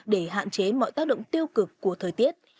để hạn chế mọi tác động tiêu cực của thời tiết